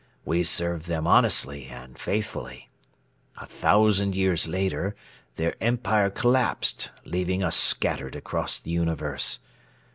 We served them honestly and faithfully. A thousand years later their empire collapsed leaving us scattered across the universe.